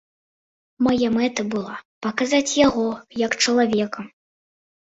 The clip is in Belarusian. Мая мэта была паказаць яго, як чалавека.